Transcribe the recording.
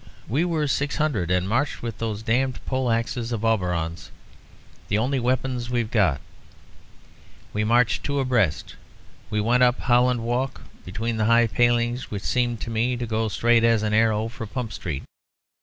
We were six hundred, and marched with those damned poleaxes of Auberon's the only weapons we've got. We marched two abreast. We went up Holland Walk, between the high palings which seemed to me to go straight as an arrow for Pump Street.